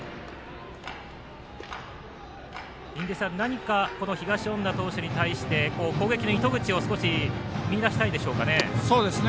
何かこの東恩納投手に対して攻撃の糸口を少し見いだしたいんでしょうかね。